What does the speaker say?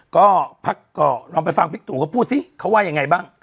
ก็พักก่อลองไปฟังพิครุกก็พูดซิเขาว่ายังไงบ้าง